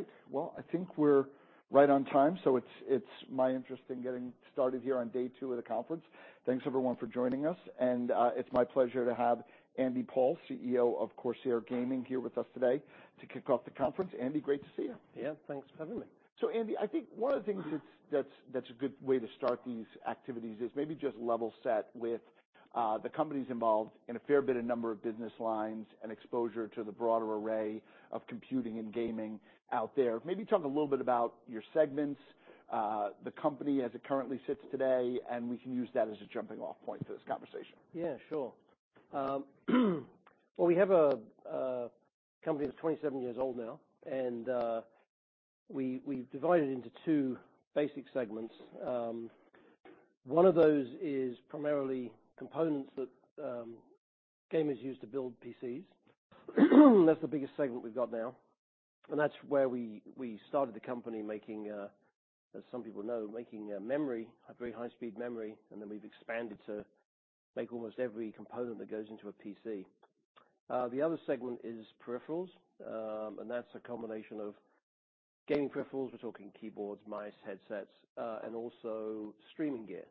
All right. Well, I think we're right on time, so it's, it's my interest in getting started here on day two of the conference. Thanks everyone for joining us, and it's my pleasure to have Andy Paul, CEO of Corsair Gaming, here with us today to kick off the conference. Andy, great to see you. Yeah, thanks for having me. So, Andy, I think one of the things that's a good way to start these activities is maybe just level set with the companies involved in a fair bit of number of business lines and exposure to the broader array of computing and gaming out there. Maybe talk a little bit about your segments, the company as it currently sits today, and we can use that as a jumping off point for this conversation. Yeah, sure. Well, we have a company that's 27 years old now, and we divide it into two basic segments. One of those is primarily components that gamers use to build PCs. That's the biggest segment we've got now, and that's where we started the company making, as some people know, making memory, a very high-speed memory, and then we've expanded to make almost every component that goes into a PC. The other segment is peripherals, and that's a combination of gaming peripherals. We're talking keyboards, mice, headsets, and also streaming gear.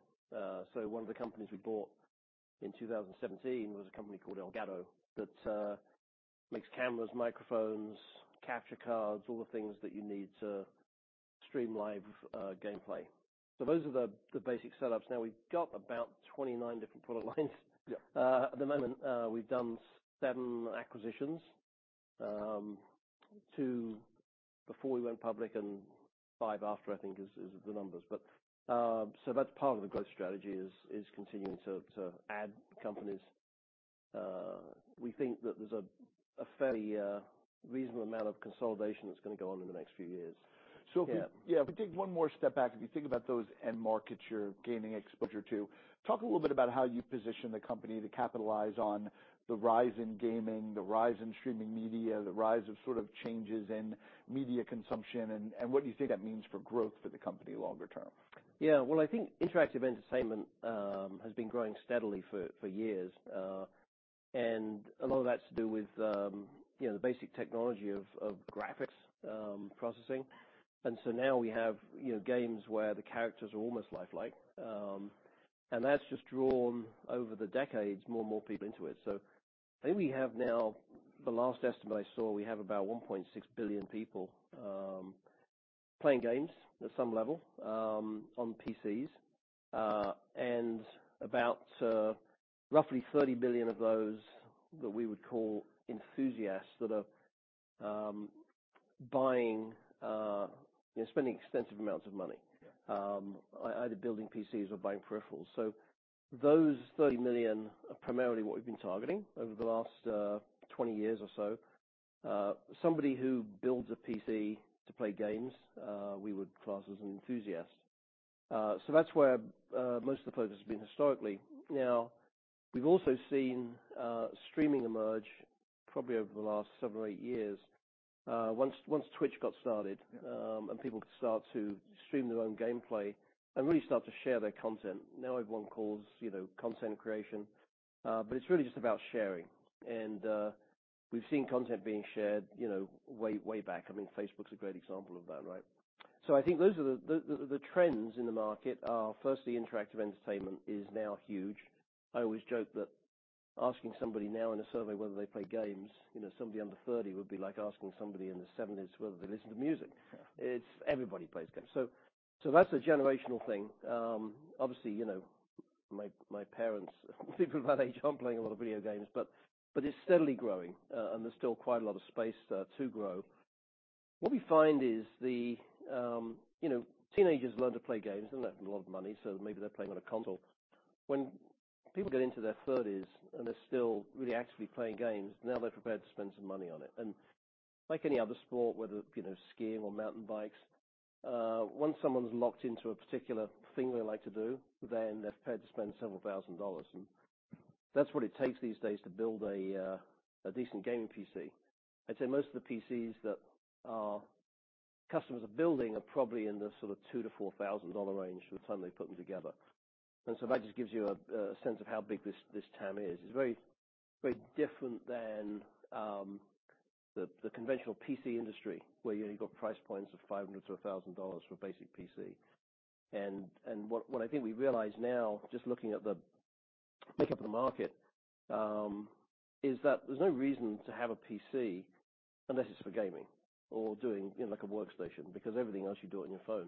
So one of the companies we bought in 2017 was a company called Elgato, that makes cameras, microphones, capture cards, all the things that you need to stream live gameplay. So those are the basic setups. Now, we've got about 29 different product lines. Yeah. At the moment, we've done 7 acquisitions, 2 before we went public and 5 after, I think is the numbers. But so that's part of the growth strategy is continuing to add companies. We think that there's a fairly reasonable amount of consolidation that's gonna go on in the next few years. So- Yeah. Yeah, if we take one more step back, if you think about those end markets you're gaining exposure to, talk a little bit about how you position the company to capitalize on the rise in gaming, the rise in streaming media, the rise of sort of changes in media consumption, and, and what do you think that means for growth for the company longer term? Yeah. Well, I think interactive entertainment has been growing steadily for years. And a lot of that's to do with you know, the basic technology of graphics processing. And so now we have, you know, games where the characters are almost lifelike, and that's just drawn over the decades, more and more people into it. So I think we have now, the last estimate I saw, we have about 1.6 billion people playing games at some level on PCs. And about roughly 30 billion of those that we would call enthusiasts, that are buying... They're spending extensive amounts of money- Yeah... either building PCs or buying peripherals. So those 30 million are primarily what we've been targeting over the last 20 years or so. Somebody who builds a PC to play games, we would class as an enthusiast. So that's where most of the focus has been historically. Now, we've also seen streaming emerge probably over the last 7 or 8 years. Once Twitch got started, and people could start to stream their own gameplay and really start to share their content. Now, everyone calls it, you know, content creation, but it's really just about sharing. And we've seen content being shared, you know, way, way back. I mean, Facebook's a great example of that, right? So I think those are the trends in the market are, firstly, interactive entertainment is now huge. I always joke that asking somebody now in a survey whether they play games, you know, somebody under 30 would be like asking somebody in the 1970s whether they listen to music. Yeah. It's everybody plays games. So that's a generational thing. Obviously, you know, my parents, people of that age aren't playing a lot of video games, but it's steadily growing, and there's still quite a lot of space to grow. What we find is, you know, teenagers learn to play games. They don't have a lot of money, so maybe they're playing on a console. When people get into their thirties, and they're still really actively playing games, now they're prepared to spend some money on it. And like any other sport, whether, you know, skiing or mountain bikes, once someone's locked into a particular thing they like to do, then they're prepared to spend several thousand dollars. And that's what it takes these days to build a decent gaming PC. I'd say most of the PCs that our customers are building are probably in the sort of $2,000-$4,000 range by the time they put them together. And so that just gives you a sense of how big this TAM is. It's very, very different than the conventional PC industry, where you only got price points of $500-$1,000 for a basic PC. And what I think we realize now, just looking at the makeup of the market, is that there's no reason to have a PC unless it's for gaming or doing, you know, like a workstation, because everything else you do on your phone.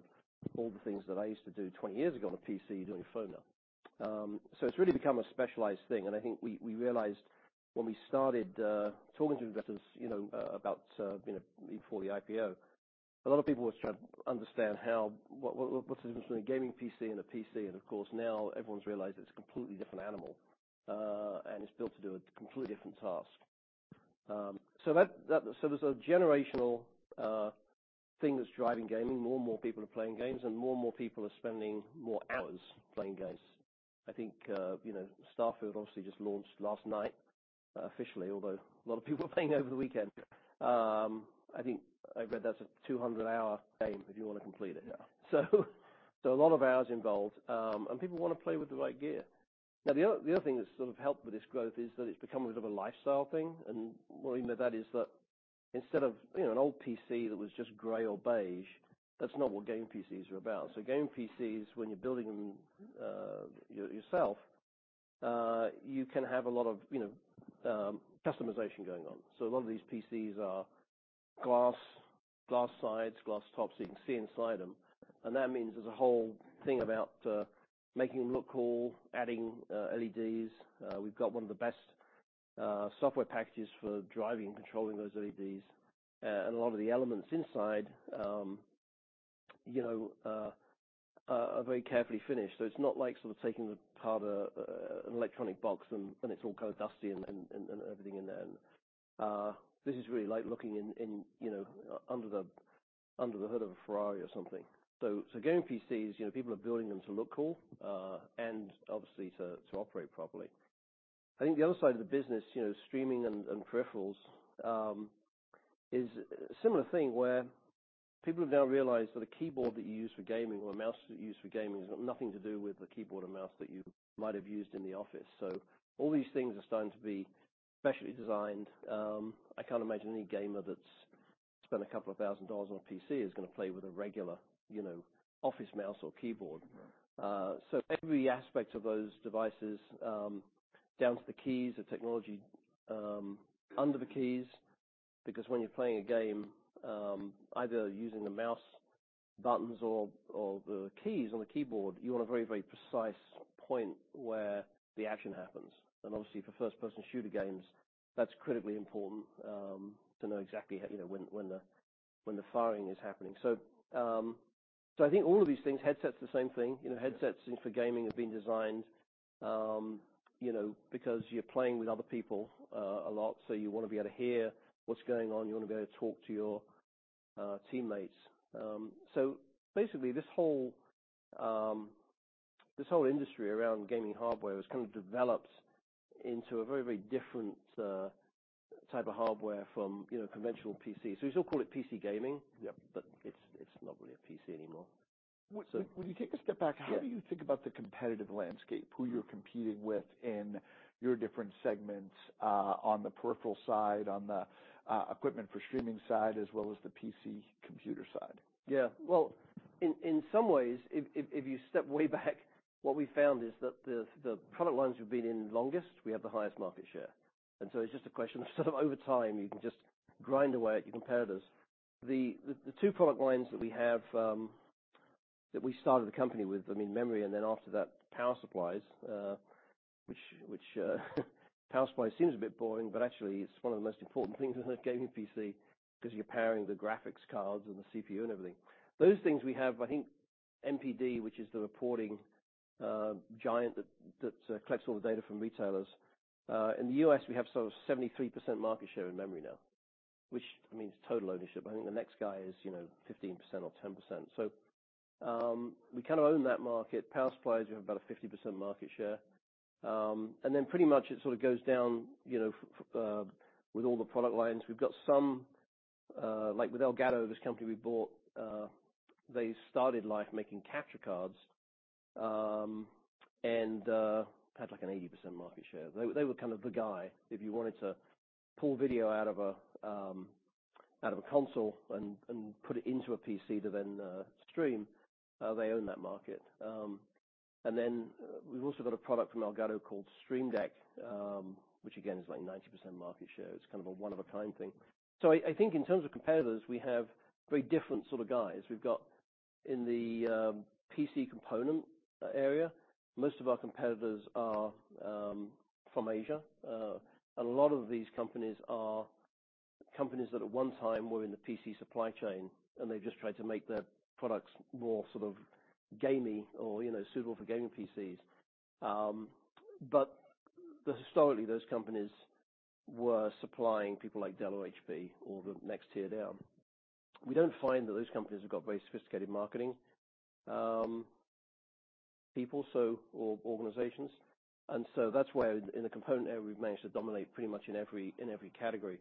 All the things that I used to do 20 years ago on a PC, you do on your phone now. So it's really become a specialized thing, and I think we realized when we started talking to investors, you know, about you know, before the IPO, a lot of people were trying to understand what's the difference between a Gaming PC and a PC? Of course, now everyone's realized it's a completely different animal, and it's built to do a completely different task. So there's a generational thing that's driving gaming. More and more people are playing games, and more and more people are spending more hours playing games. I think, you know, Starfield obviously just launched last night, officially, although a lot of people were playing over the weekend. I think I read that's a 200-hour game if you want to complete it now. Yeah. So a lot of hours involved, and people want to play with the right gear. Now, the other thing that's sort of helped with this growth is that it's become a bit of a lifestyle thing. And what I mean by that is that instead of, you know, an old PC that was just gray or beige, that's not what gaming PCs are about. So gaming PCs, when you're building them yourself, you can have a lot of, you know, customization going on. So a lot of these PCs are glass sides, glass tops, so you can see inside them. And that means there's a whole thing about making them look cool, adding LEDs. We've got one of the best software packages for driving and controlling those LEDs. A lot of the elements inside, you know, are very carefully finished. So it's not like sort of taking apart a, an electronic box, and it's all kind of dusty and everything in there. This is really like looking in, you know, under the hood of a Ferrari or something. So gaming PCs, you know, people are building them to look cool, and obviously to operate properly. I think the other side of the business, you know, streaming and peripherals, is a similar thing where people have now realized that a keyboard that you use for gaming or a mouse that you use for gaming has got nothing to do with the keyboard or mouse that you might have used in the office. So all these things are starting to be specially designed. I can't imagine any gamer that's spent $2,000 on a PC is gonna play with a regular, you know, office mouse or keyboard. So every aspect of those devices, down to the keys, the technology, under the keys, because when you're playing a game, either using the mouse buttons or, or the keys on the keyboard, you want a very, very precise point where the action happens. And obviously, for first-person shooter games, that's critically important, to know exactly how, you know, when, when the, when the firing is happening. So, so I think all of these things, headsets are the same thing. You know, headsets for gaming have been designed, you know, because you're playing with other people, a lot, so you want to be able to hear what's going on, you want to be able to talk to your, teammates. So basically, this whole industry around gaming hardware has kind of developed into a very, very different, type of hardware from, you know, conventional PCs. So we still call it PC gaming- Yep. but it's, it's not really a PC anymore. So- When you take a step back- Yeah. How do you think about the competitive landscape, who you're competing with in your different segments, on the peripheral side, on the equipment for streaming side, as well as the PC computer side? Yeah. Well, in some ways, if you step way back, what we found is that the product lines we've been in longest, we have the highest market share. And so it's just a question of sort of over time, you can just grind away at your competitors. The two product lines that we have that we started the company with, I mean, memory, and then after that, power supplies, which power supply seems a bit boring, but actually it's one of the most important things in a gaming PC because you're powering the graphics cards and the CPU and everything. Those things we have, I think, NPD, which is the reporting giant that collects all the data from retailers. In the U.S., we have sort of 73% market share in memory now, which means total ownership. I think the next guy is, you know, 15% or 10%. So, we kind of own that market. Power supplies, we have about a 50% market share. And then pretty much it sort of goes down, you know, with all the product lines. We've got some, like with Elgato, this company we bought, they started life making capture cards, and had like an 80% market share. They were kind of the guy if you wanted to pull video out of a console and put it into a PC to then stream, they own that market. And then we've also got a product from Elgato called Stream Deck, which again, is like 90% market share. It's kind of a one-of-a-kind thing. So I think in terms of competitors, we have very different sort of guys. We've got in the PC component area, most of our competitors are from Asia. And a lot of these companies are companies that at one time were in the PC supply chain, and they've just tried to make their products more sort of gamey or, you know, suitable for gaming PCs. But historically, those companies were supplying people like Dell or HP or the next tier down. We don't find that those companies have got very sophisticated marketing people or organizations. And so that's why in the component area, we've managed to dominate pretty much in every category.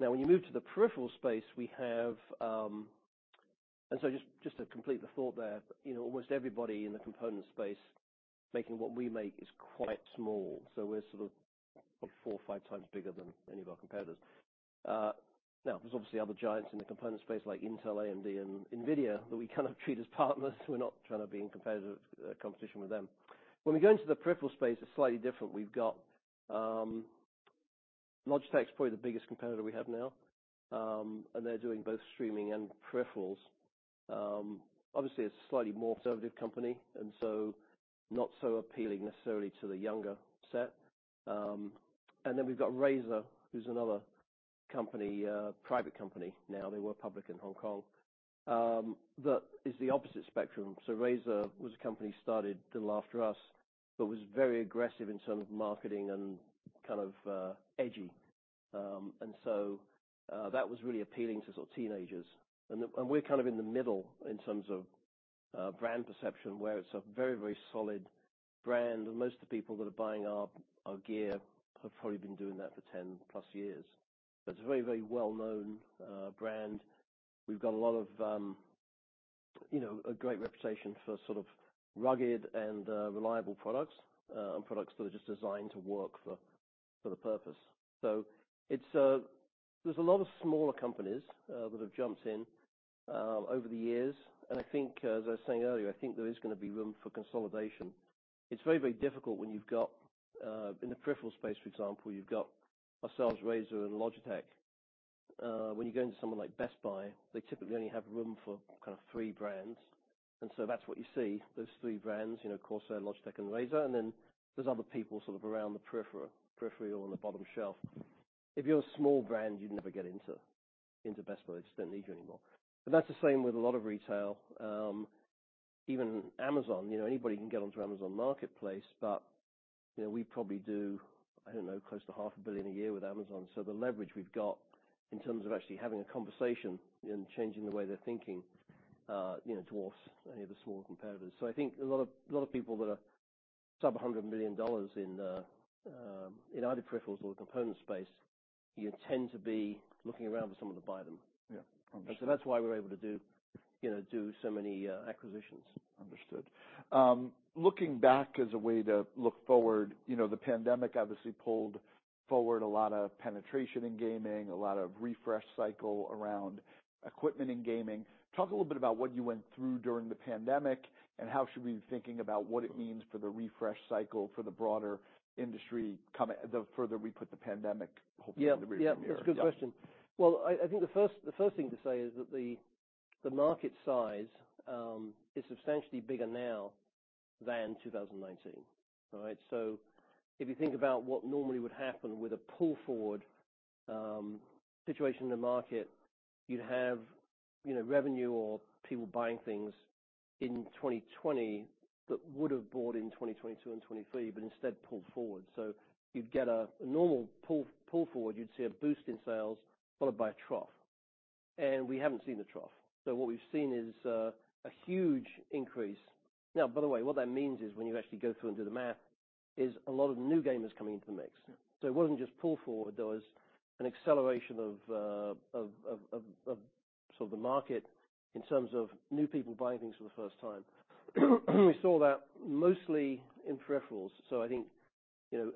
Now, when you move to the peripheral space, we have... And so just to complete the thought there, you know, almost everybody in the component space making what we make is quite small. So we're sort of 4 or 5 times bigger than any of our competitors. Now, there's obviously other giants in the component space like Intel, AMD, and NVIDIA, but we kind of treat as partners. We're not trying to be in competitive competition with them. When we go into the peripheral space, it's slightly different. We've got Logitech is probably the biggest competitor we have now, and they're doing both streaming and peripherals. Obviously, it's a slightly more conservative company, and so not so appealing necessarily to the younger set. And then we've got Razer, who's another company, private company now, they were public in Hong Kong, that is the opposite spectrum. So Razer was a company started little after us, but was very aggressive in terms of marketing and kind of, edgy. And so, that was really appealing to sort of teenagers. And we're kind of in the middle in terms of brand perception, where it's a very, very solid brand, and most of the people that are buying our gear have probably been doing that for 10+ years. But it's a very, very well-known brand. We've got a lot of you know, a great reputation for sort of rugged and reliable products, and products that are just designed to work for the purpose. So it's... There's a lot of smaller companies that have jumped in over the years, and I think, as I was saying earlier, I think there is gonna be room for consolidation. It's very, very difficult when you've got in the peripheral space, for example, you've got ourselves, Razer, and Logitech. When you go into someone like Best Buy, they typically only have room for kind of three brands, and so that's what you see, those three brands, you know, Corsair, Logitech, and Razer. And then there's other people sort of around the peripheral on the bottom shelf. If you're a small brand, you'd never get into Best Buy. They just don't need you anymore. And that's the same with a lot of retail. Even Amazon, you know, anybody can get onto Amazon Marketplace, but, you know, we probably do, I don't know, close to $500 million a year with Amazon. The leverage we've got in terms of actually having a conversation and changing the way they're thinking, you know, dwarfs any of the smaller competitors. So I think a lot of, a lot of people that are sub $100 million in either peripherals or the component space, you tend to be looking around for someone to buy them. Yeah. Understood. And so that's why we're able to do, you know, do so many acquisitions. Understood. Looking back as a way to look forward, you know, the pandemic obviously pulled forward a lot of penetration in gaming, a lot of Refresh Cycle around equipment in gaming. Talk a little bit about what you went through during the pandemic, and how should we be thinking about what it means for the Refresh Cycle for the broader industry, the further we put the pandemic, hopefully, in the rear view mirror? Yeah. Yeah, that's a good question. Yeah. Well, I think the first thing to say is that the market size is substantially bigger now than 2019. All right? So if you think about what normally would happen with a pull forward situation in the market, you'd have, you know, revenue or people buying things in 2020 that would have bought in 2022 and 2023, but instead pulled forward. So you'd get a normal pull forward, you'd see a boost in sales followed by a trough, and we haven't seen the trough. So what we've seen is a huge increase. Now, by the way, what that means is when you actually go through and do the math, is a lot of new gamers coming into the mix. Yeah. So it wasn't just pull forward, there was an acceleration of sort of the market in terms of new people buying things for the first time. We saw that mostly in peripherals. So I think, you know,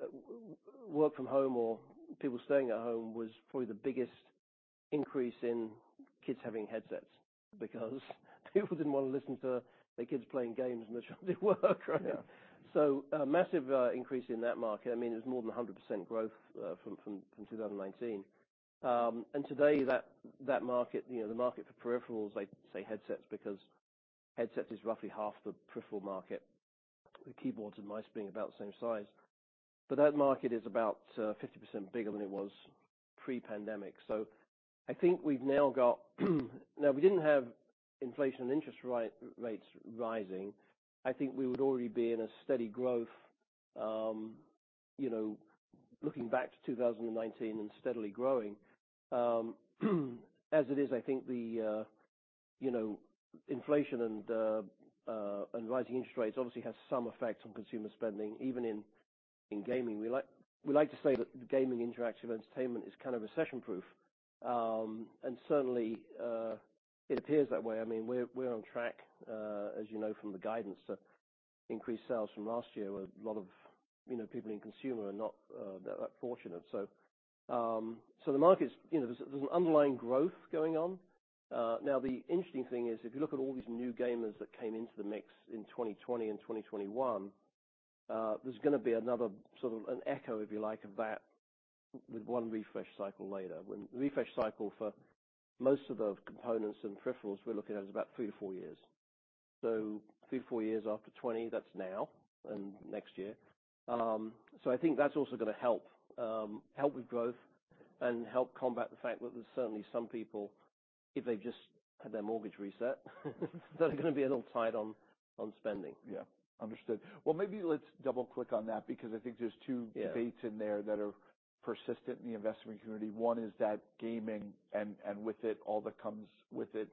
work from home or people staying at home was probably the biggest increase in kids having headsets because people didn't want to listen to their kids playing games when they're trying to work, right? Yeah. So a massive increase in that market. I mean, it was more than 100% growth from 2019. And today, that market, you know, the market for peripherals, I say headsets because headsets is roughly half the peripheral market, with keyboards and mice being about the same size, but that market is about 50% bigger than it was pre-pandemic. So I think we've now got. Now, if we didn't have inflation and interest rates rising, I think we would already be in a steady growth, you know, looking back to 2019 and steadily growing. As it is, I think, you know, inflation and rising interest rates obviously has some effect on consumer spending, even in gaming. We like to say that gaming interactive entertainment is kind of recession-proof. And certainly, it appears that way. I mean, we're on track, as you know, from the guidance to increase sales from last year, where a lot of, you know, people in consumer are not that fortunate. So the market's, you know, there's an underlying growth going on. Now, the interesting thing is, if you look at all these new gamers that came into the mix in 2020 and 2021, there's gonna be another sort of an echo, if you like, of that with one refresh cycle later. Refresh cycle for most of the components and peripherals we're looking at is about 3-4 years. So 3-4 years after 2020, that's now and next year. So, I think that's also gonna help, help with growth and help combat the fact that there's certainly some people, if they've just had their mortgage reset, so they're gonna be a little tight on spending. Yeah. Understood. Well, maybe let's double-click on that because I think there's two- Yeah Debates in there that are persistent in the investment community. One is that gaming, and, and with it, all that comes with it,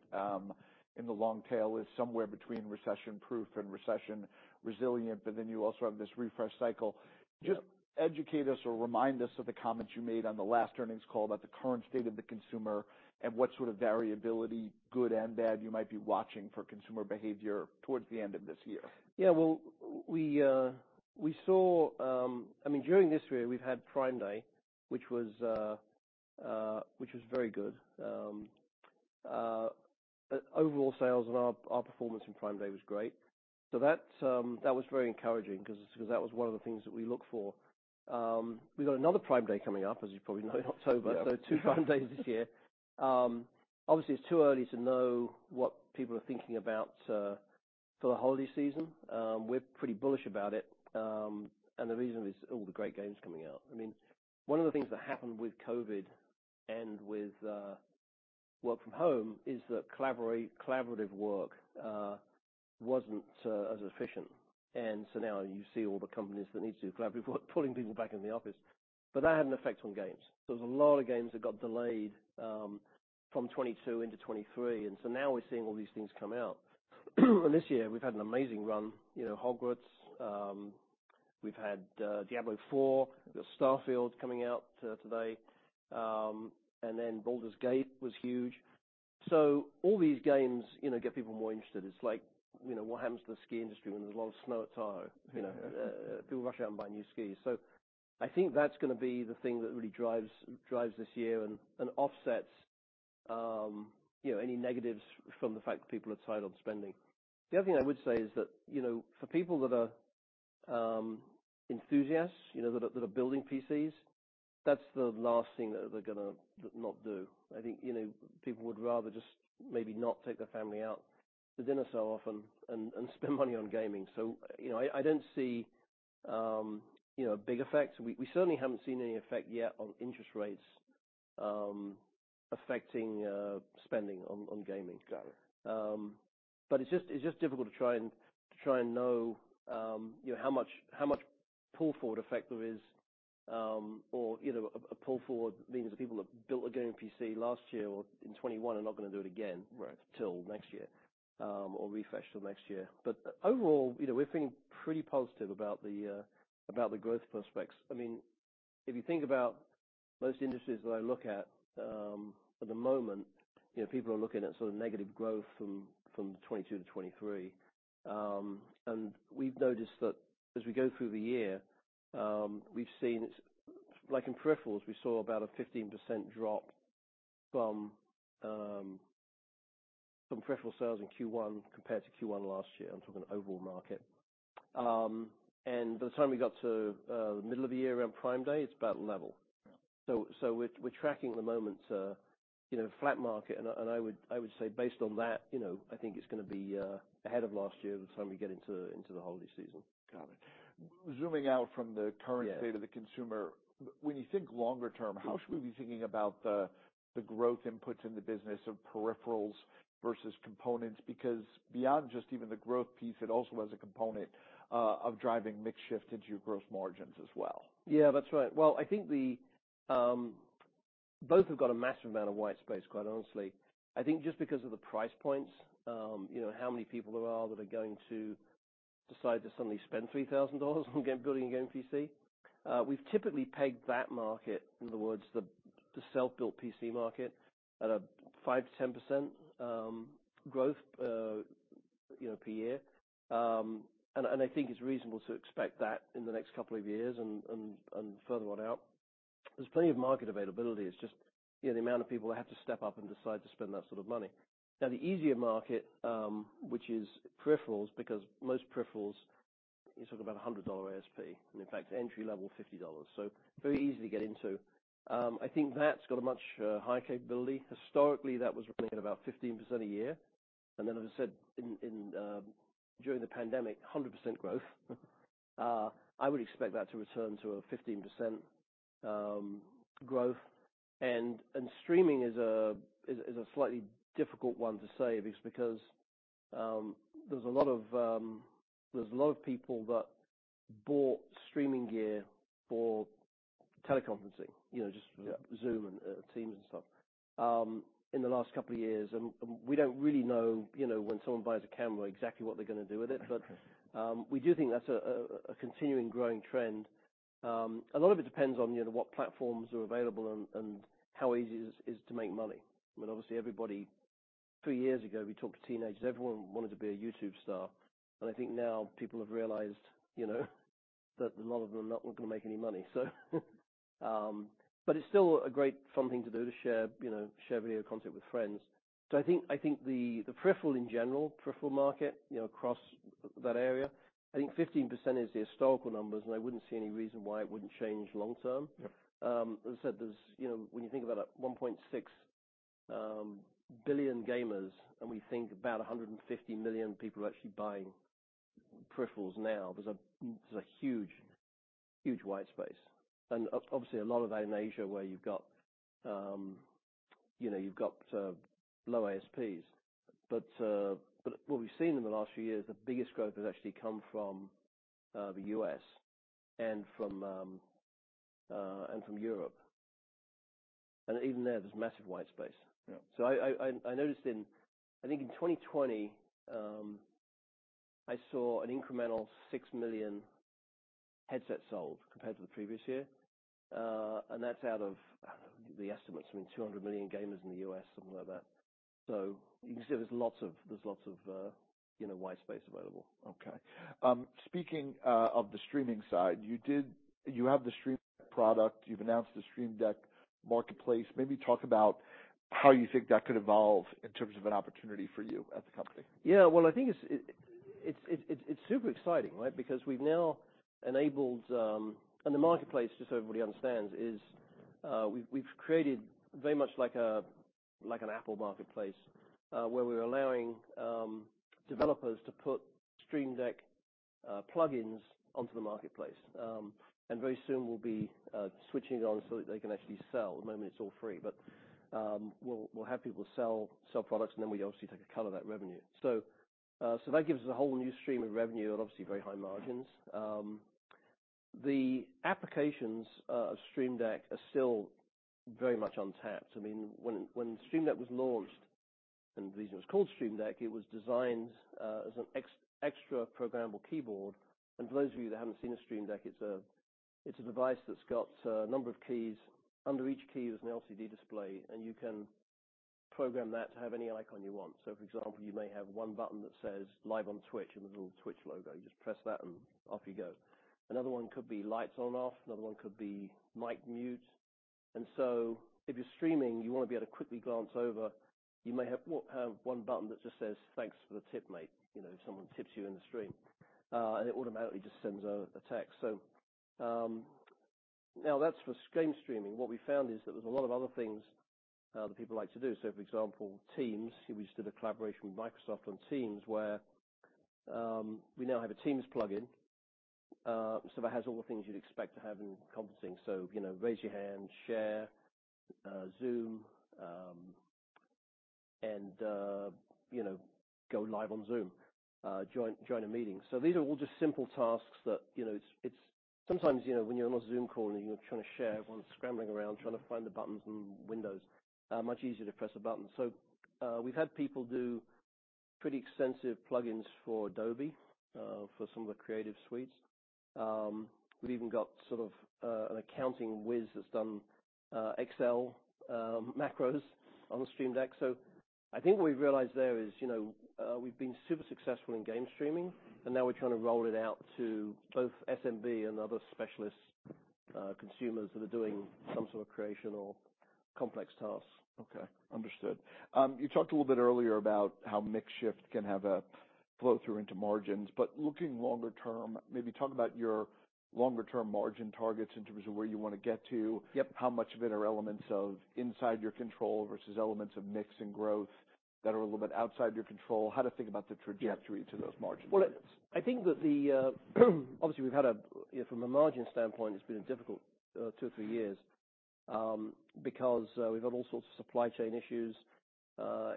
in the long tail, is somewhere between recession-proof and recession-resilient, but then you also have this refresh cycle. Yeah. Just educate us or remind us of the comments you made on the last earnings call about the current state of the consumer and what sort of variability, good and bad, you might be watching for consumer behavior towards the end of this year? Yeah, well, we saw... I mean, during this year, we've had Prime Day, which was, which was very good. Overall sales and our performance in Prime Day was great. So that's... That was very encouraging 'cause, that was one of the things that we look for. We've got another Prime Day coming up, as you probably know, in October. Yeah. So two Prime Days this year. Obviously, it's too early to know what people are thinking about for the holiday season. We're pretty bullish about it, and the reason is all the great games coming out. I mean, one of the things that happened with COVID and with work from home is that collaborative work wasn't as efficient. And so now you see all the companies that need to do collaborative work pulling people back in the office. But that had an effect on games. There was a lot of games that got delayed from 2022 into 2023, and so now we're seeing all these things come out. And this year, we've had an amazing run, you know, Hogwarts. We've had Diablo IV, we've got Starfield coming out today. And then Baldur's Gate was huge. So all these games, you know, get people more interested. It's like, you know, what happens to the ski industry when there's a lot of snow at Tahoe, you know? Yeah. People rush out and buy new skis. So I think that's gonna be the thing that really drives this year and offsets any negatives from the fact that people are tight on spending. The other thing I would say is that, you know, for people that are enthusiasts, you know, that are building PCs, that's the last thing that they're gonna not do. I think, you know, people would rather just maybe not take their family out to dinner so often and spend money on gaming. So, you know, I don't see a big effect. We certainly haven't seen any effect yet on interest rates affecting spending on gaming. Got it. But it's just difficult to try and know, you know, how much pull-forward effect there is. Or, you know, a pull forward means that people have built a Gaming PC last year or in 2021 are not gonna do it again- Right... till next year, or refresh till next year. But overall, you know, we're feeling pretty positive about the growth prospects. I mean, if you think about most industries that I look at at the moment, you know, people are looking at sort of negative growth from 2022 to 2023. And we've noticed that as we go through the year, we've seen it—like in peripherals, we saw about a 15% drop from peripheral sales in Q1 compared to Q1 last year. I'm talking overall market. And by the time we got to the middle of the year, around Prime Day, it's about level. Yeah. So, we're tracking at the moment, you know, and I would say based on that, you know, I think it's gonna be ahead of last year by the time we get into the holiday season. Got it. Zooming out from the current- Yeah... state of the consumer, when you think longer term, how should we be thinking about the growth inputs in the business of peripherals versus components? Because beyond just even the growth piece, it also has a component of driving mix shift into your growth margins as well. Yeah, that's right. Well, I think the both have got a massive amount of white space, quite honestly. I think just because of the price points, you know, how many people there are that are going to decide to suddenly spend $3,000 on building a gaming PC? We've typically pegged that market, in other words, the self-built PC market, at a 5%-10% growth, you know, per year. And I think it's reasonable to expect that in the next couple of years and furthermore out. There's plenty of market availability. It's just, you know, the amount of people that have to step up and decide to spend that sort of money. Now, the easier market, which is peripherals, because most peripherals, you're talking about a $100 ASP, and in fact, entry level, $50. So very easy to get into. I think that's got a much high capability. Historically, that was running at about 15% a year, and then, as I said, during the pandemic, 100% growth. I would expect that to return to a 15% growth. And streaming is a slightly difficult one to say because, there's a lot of, there's a lot of people that bought streaming gear for teleconferencing, you know- Yeah... just Zoom and Teams and stuff in the last couple of years. And we don't really know, you know, when someone buys a camera, exactly what they're gonna do with it. Okay. But we do think that's a continuing growing trend. A lot of it depends on, you know, what platforms are available and how easy it is to make money. I mean, obviously, everybody. 3 years ago, we talked to teenagers, everyone wanted to be a YouTube star, and I think now people have realized, you know, that a lot of them are not going to make any money, so. But it's still a great fun thing to do, to share, you know, share video content with friends. So I think the peripheral in general, peripheral market, you know, across that area, I think 15% is the historical numbers, and I wouldn't see any reason why it wouldn't change long term. Yeah. As I said, there's, you know, when you think about it, 1.6 billion gamers, and we think about 150 million people are actually buying peripherals now, there's a huge, huge white space, and obviously, a lot of that in Asia, where you've got, you know, you've got low ASPs. But, but what we've seen in the last few years, the biggest growth has actually come from the U.S. and from and from Europe. And even there, there's massive white space. Yeah. So I noticed, I think in 2020, I saw an incremental 6 million headsets sold compared to the previous year. And that's out of the estimates, I mean, 200 million gamers in the U.S., something like that. So you can see there's lots of white space available. Okay. Speaking of the streaming side, you have the Stream Deck. You've announced the Stream Deck Marketplace. Maybe talk about how you think that could evolve in terms of an opportunity for you at the company. Yeah. Well, I think it's super exciting, right? Because we've now enabled. And the marketplace, just so everybody understands, is we've created very much like a like an Apple marketplace, where we're allowing developers to put Stream Deck plugins onto the marketplace. And very soon we'll be switching it on so that they can actually sell. At the moment, it's all free, but we'll have people sell products, and then we obviously take a cut of that revenue. So that gives us a whole new stream of revenue at obviously very high margins. The applications of Stream Deck are still very much untapped. I mean, when Stream Deck was launched, and the reason it was called Stream Deck, it was designed as an extra programmable keyboard. And for those of you that haven't seen a Stream Deck, it's a device that's got a number of keys. Under each key is an LCD display, and you can program that to have any icon you want. So, for example, you may have one button that says Live on Twitch, and the little Twitch logo. You just press that, and off you go. Another one could be lights on, off, another one could be mic mute. And so if you're streaming, you want to be able to quickly glance over. You may have one button that just says, "Thanks for the tip, mate," you know, if someone tips you in the stream. And it automatically just sends out a text. So, now, that's for screen streaming. What we found is that there's a lot of other things that people like to do. So, for example, Teams, we just did a collaboration with Microsoft on Teams, where we now have a Teams plugin. So that has all the things you'd expect to have in conferencing. So, you know, raise your hand, share, Zoom, and you know, go live on Zoom, join a meeting. So these are all just simple tasks that, you know, it's sometimes, you know, when you're on a Zoom call and you're trying to share, everyone's scrambling around, trying to find the buttons in Windows. Much easier to press a button. So, we've had people do pretty extensive plugins for Adobe, for some of the creative suites. We've even got sort of an accounting whiz that's done Excel macros on the Stream Deck. I think what we've realized there is, you know, we've been super successful in game streaming, and now we're trying to roll it out to both SMB and other specialist consumers that are doing some sort of creation or complex tasks. Okay, understood. You talked a little bit earlier about how mix shift can have a flow-through into margins, but looking longer term, maybe talk about your longer-term margin targets in terms of where you want to get to. Yep. How much of it are elements of inside your control versus elements of mix and growth that are a little bit outside your control? How to think about the trajectory- Yeah... to those margin targets? Well, I think that the obviously, we've had from a margin standpoint, it's been a difficult two or three years, because we've had all sorts of supply chain issues,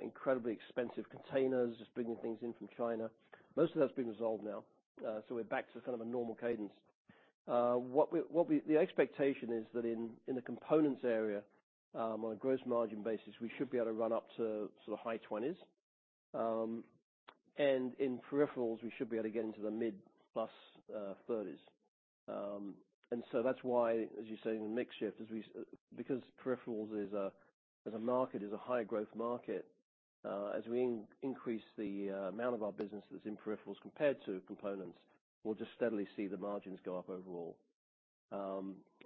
incredibly expensive containers, just bringing things in from China. Most of that's been resolved now, so we're back to sort of a normal cadence. The expectation is that in the components area, on a gross margin basis, we should be able to run up to sort of high 20s. And in peripherals, we should be able to get into the mid plus 30s. And so that's why, as you say, in the mix shift, as we, because peripherals is a, as a market, is a higher growth market, as we increase the amount of our business that's in peripherals compared to components, we'll just steadily see the margins go up overall.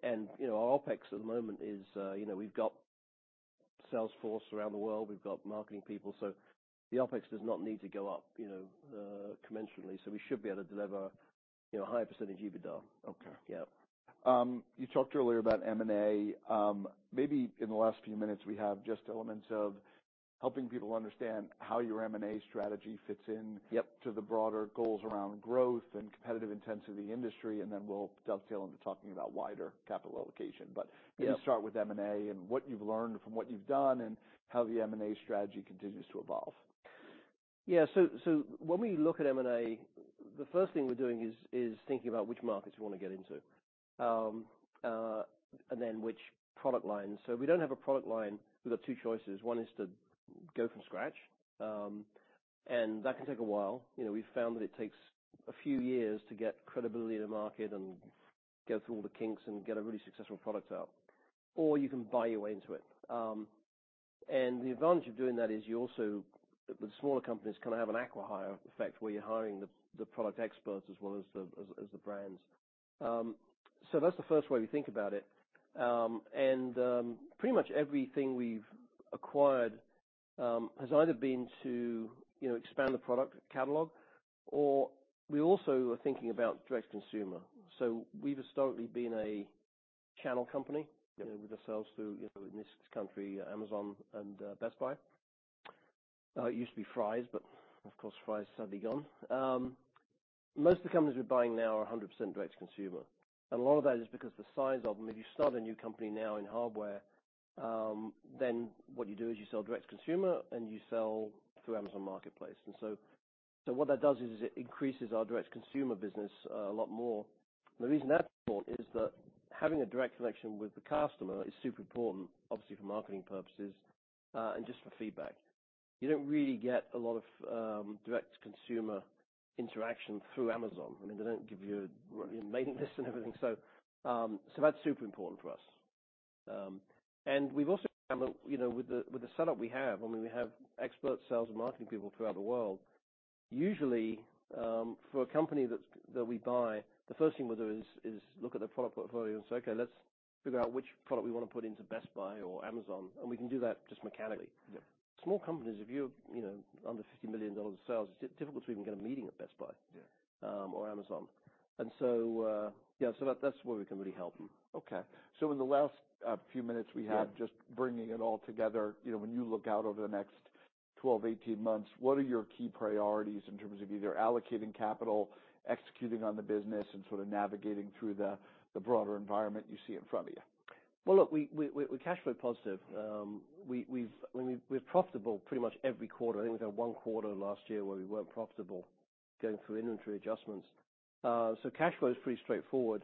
And, you know, our OpEx at the moment is, you know, we've got sales force around the world, we've got marketing people, so the OpEx does not need to go up, you know, commensurately. So we should be able to deliver, you know, a higher percentage EBITDA. Okay. Yeah. You talked earlier about M&A. Maybe in the last few minutes, we have just elements of helping people understand how your M&A strategy fits in- Yep... to the broader goals around growth and competitive intensity industry, and then we'll dovetail into talking about wider capital allocation. Yeah. Maybe start with M&A and what you've learned from what you've done and how the M&A strategy continues to evolve. Yeah. So when we look at M&A, the first thing we're doing is thinking about which markets we want to get into, and then which product lines. So if we don't have a product line, we've got two choices. One is to go from scratch, and that can take a while. You know, we've found that it takes a few years to get credibility in the market and go through all the kinks and get a really successful product out, or you can buy your way into it. And the advantage of doing that is you also, the smaller companies kind of have an acqui-hire effect, where you're hiring the product experts as well as the brands. So that's the first way we think about it. Pretty much everything we've acquired has either been to, you know, expand the product catalog, or we also are thinking about direct consumer. So we've historically been a channel company- Yep... with our sales through, you know, in this country, Amazon and Best Buy. It used to be Fry's, but of course, Fry's is sadly gone. Most of the companies we're buying now are 100% direct to consumer, and a lot of that is because the size of them. If you start a new company now in hardware, then what you do is you sell direct to consumer, and you sell through Amazon Marketplace. And so, so what that does is it increases our direct consumer business a lot more. And the reason that's important is that having a direct connection with the customer is super important, obviously, for marketing purposes, and just for feedback. You don't really get a lot of direct consumer interaction through Amazon. I mean, they don't give you your mailing list and everything. So, so that's super important for us. And we've also, you know, with the setup we have, I mean, we have expert sales and marketing people throughout the world. Usually, for a company that's that we buy, the first thing we'll do is look at their product portfolio and say, "Okay, let's figure out which product we want to put into Best Buy or Amazon," and we can do that just mechanically. Yep. Small companies, if you're, you know, under $50 million in sales, it's difficult to even get a meeting at Best Buy- Yeah... or Amazon. So that's where we can really help. Okay. So in the last few minutes we have- Yeah... just bringing it all together. You know, when you look out over the next 12, 18 months, what are your key priorities in terms of either allocating capital, executing on the business, and sort of navigating through the broader environment you see in front of you? Well, look, we're cash flow positive. We've, I mean, we're profitable pretty much every quarter. I think we've had one quarter last year where we weren't profitable, going through inventory adjustments. So cash flow is pretty straightforward.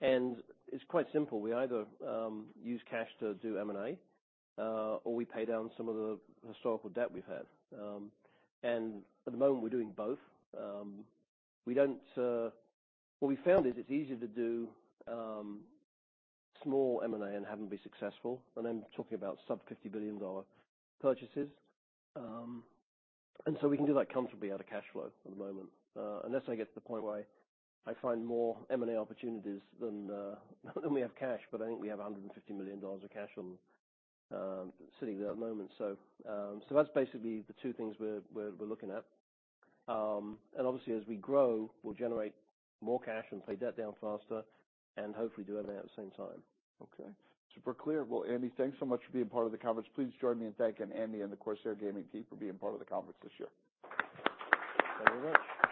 And it's quite simple. We either use cash to do M&A, or we pay down some of the historical debt we've had. And at the moment, we're doing both. We don't... What we found is it's easier to do small M&A and have them be successful, and I'm talking about sub $50 billion purchases. And so we can do that comfortably out of cash flow at the moment. Unless I get to the point where I find more M&A opportunities than we have cash, but I think we have $150 million of cash on sitting there at the moment. So that's basically the two things we're looking at. And obviously, as we grow, we'll generate more cash and pay debt down faster, and hopefully, do M&A at the same time. Okay. Super clear. Well, Andy, thanks so much for being part of the conference. Please join me in thanking Andy and the Corsair Gaming team for being part of the conference this year. There we go.